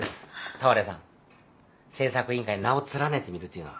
俵屋さん。製作委員会に名を連ねてみるというのは。